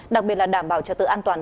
đặc biệt là đảm bảo trật tự an toàn